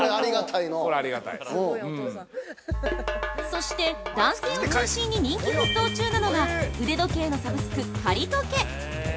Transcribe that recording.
◆そして、男性を中心に人気沸騰中なのが腕時計のサブスク、カリトケ。